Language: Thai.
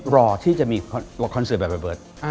รอที่จะมีคอนเสิร์ตแบบระเบิด